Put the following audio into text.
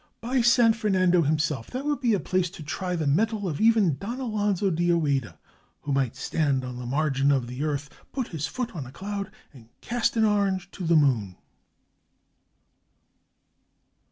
By San Fernando, himself! that would be a place to try the metal of even Don Alonzo de Ojeda, who might stand on the margin of the earth, put his foot on a cloud, and cast an orange to the moon!"